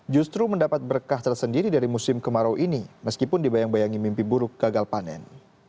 justru mendapat berkah tersendiri dari musim kemarau ini meskipun dibayang bayangi mimpi buruk gagal panen